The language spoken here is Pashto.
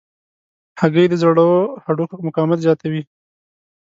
هګۍ د زړو هډوکو مقاومت زیاتوي.